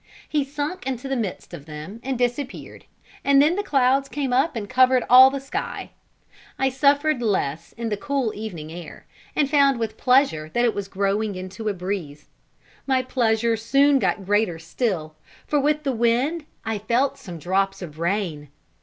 He sunk into the midst of them and disappeared; and then the clouds came up and covered all the sky. I suffered less in the cool evening air, and found with pleasure that it was growing into a breeze. My pleasure soon got greater still, for, with the wind, I felt some drops of rain!